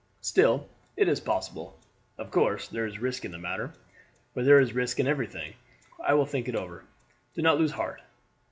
Still it is possible. Of course there is risk in the matter; but there is risk in everything. I will think it over. Do not lose heart.